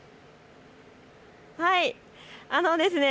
はい。